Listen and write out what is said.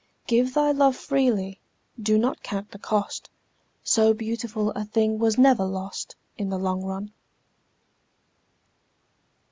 Give thy love freely; do not count the cost; So beautiful a thing was never lost In the long run.